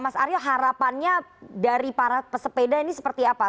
mas aryo harapannya dari para pesepeda ini seperti apa